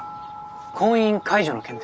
婚姻解除の件で。